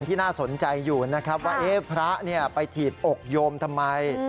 ที่น่าสนใจอยู่นะครับว่าพระไปถีบอกโยมทำไม